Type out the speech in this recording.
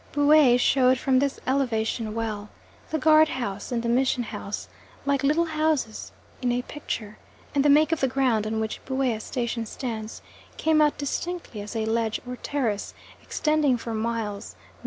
Buea showed from this elevation well. The guard house and the mission house, like little houses in a picture, and the make of the ground on which Buea station stands, came out distinctly as a ledge or terrace, extending for miles N.N.